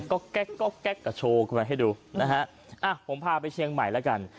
ก็แก๊กก็แก๊กก็โชว์ขึ้นมาให้ดูนะฮะอ่ะผมพาไปเชียงใหม่แล้วกัน